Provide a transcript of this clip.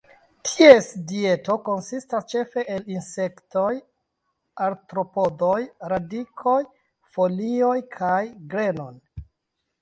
Ties dieto konsistas ĉefe el insektoj, artropodoj, radikoj, folioj kaj grenon.